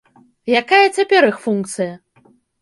Якая цяпер іх функцыя?